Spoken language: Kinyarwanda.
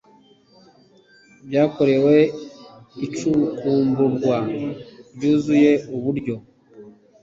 byakorewe icukumburwa ryuzuye uburyo